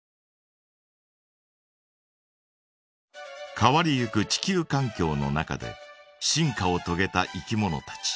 変わりゆく地球かん境の中で進化をとげたいきものたち。